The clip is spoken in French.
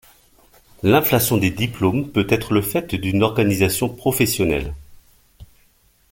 L'inflation des diplômes peut être le fait d'une organisation professionnelle.